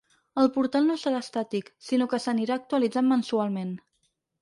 El portal no serà estàtic, sinó que s’anirà actualitzant mensualment.